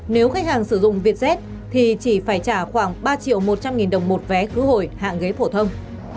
nếu khách hàng sử dụng vietjet thì chỉ phải trả khoảng ba triệu một trăm linh nghìn đồng một vé khứ hồi hạng ghế phổ thông